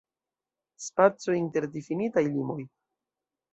Spaco inter difinitaj limoj.